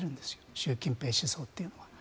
習近平思想というのは。